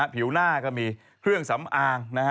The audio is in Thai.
ผิวหน้าก็มีเครื่องสำอาง